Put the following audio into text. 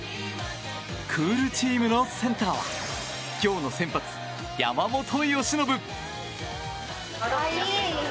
クールチームのセンターは今日の先発、山本由伸。